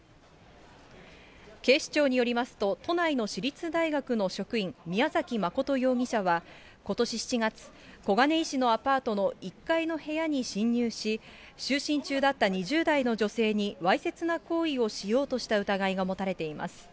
警視庁によりますと、都内の私立大学の職員、宮崎真容疑者は、ことし７月、小金井市のアパートの１階の部屋に侵入し、就寝中だった２０代の女性にわいせつな行為をしようとした疑いが持たれています。